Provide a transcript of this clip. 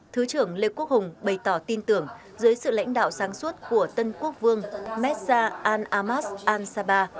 thứ trưởng lê quốc hùng bày tỏ tin tưởng dưới sự lãnh đạo sáng suốt của tân quốc vương messa an amas an saba